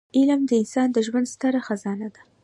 علمد انسان د ژوند ستره خزانه ده.